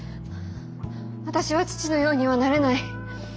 私は父のようにはなれない。